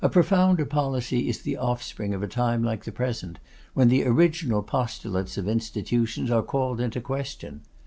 A profounder policy is the offspring of a time like the present, when the original postulates of institutions are called in question.